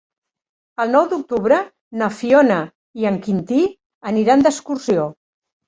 El nou d'octubre na Fiona i en Quintí aniran d'excursió.